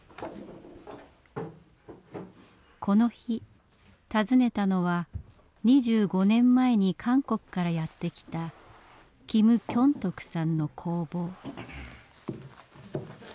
この日訪ねたのは２５年前に韓国からやって来た金京さんの工房。